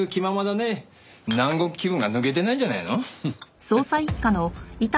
南国気分が抜けてないんじゃないの？